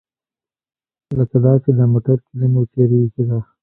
لکه دا چې د موټر کیلي مو چیرې ایښې ده.